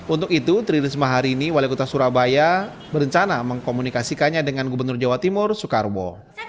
untuk itu tri risma hari ini wali kota surabaya berencana mengkomunikasikannya dengan gubernur jawa timur soekarwo